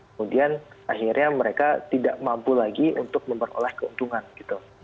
kemudian akhirnya mereka tidak mampu lagi untuk memperoleh keuntungan gitu